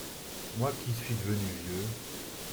Moi qui suis devenu vieux…